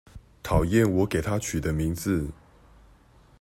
討厭我給她取的名字